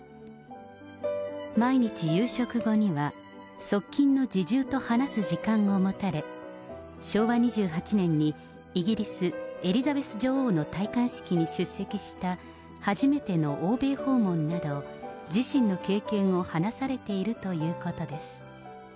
毎日、夕食後には、側近の侍従と話す時間を持たれ、昭和２８年にイギリス、エリザベス女王の戴冠式に出席した、初めての欧米訪問など、自身の経験を話されているということです。